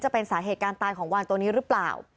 จะเป็นสาเหตุการตายของวานตัวนี้หรือเปล่า